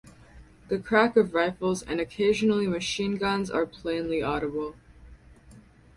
The crack of rifles and occasionally machine guns are plainly audible.